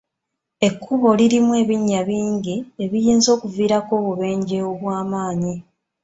Enkubo lirimu ebinya bingi ebiyinza okuviirako obubenje obw'amaanyi.